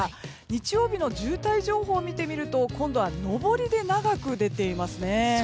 日曜日の渋滞情報を見てみると今度は上りで長く出ていますね。